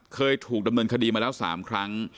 เคยถูกดำเนินคดีมาแล้ว๓ครั้ง